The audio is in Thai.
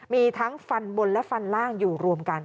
มีทั้งฟันบนและฟันล่างอยู่รวมกัน